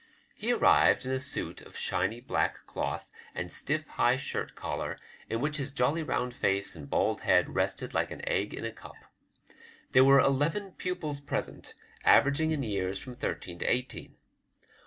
He arrived in a suit of shiny black cloth, and stiff high shirt collar, in which his jolly round face and bald head rested like an egg in a cup. There were eleven pupils present, averaging in years from thirteen to eighteen.